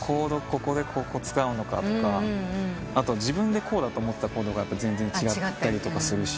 ここでここ使うのかとかあと自分でこうだと思ってたコードが全然違ったりするし。